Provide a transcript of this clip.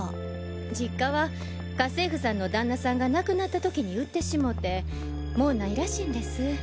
実家は家政婦さんの旦那さんが亡くなった時に売ってしもてもうないらしいんです。